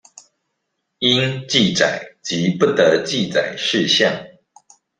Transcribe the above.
應記載及不得記載事項